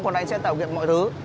bọn anh sẽ tạo kiện mọi thứ